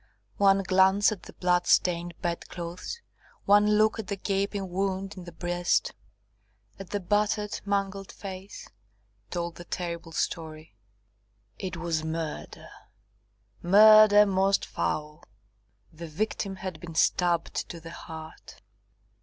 One glance at the blood stained bedclothes, one look at the gaping wound in the breast, at the battered, mangled face, told the terrible story. It was murder! murder most foul! The victim had been stabbed to the heart.